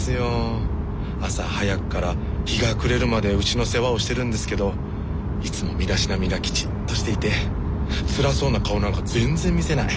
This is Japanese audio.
朝早くから日が暮れるまで牛の世話をしてるんですけどいつも身だしなみがきちんとしていてつらそうな顔なんか全然見せない。